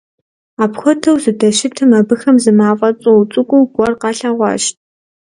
Апхуэдэу зыдэщытым, абыхэм зы мафӀэ цӀу цӀыкӀу гуэр къалъэгъуащ.